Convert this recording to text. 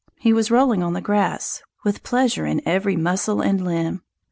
He was rolling on the grass, with pleasure in every muscle and limb.